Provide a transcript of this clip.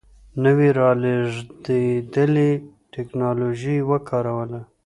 نوې رالېږدېدلې ټکنالوژي یې وکاروله.